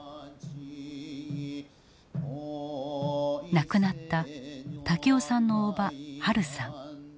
亡くなった武雄さんのおばハルさん。